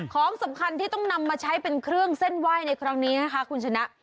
ของสำคัญที่ต้องนำมาใช้เป็นเครื่องเส้นไหว้ในครั้งนี้นะคะคุณชนะ